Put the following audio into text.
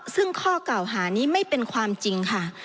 ซึ่งข้อกล่าวหานี้ไม่เป็นความจริงค่ะ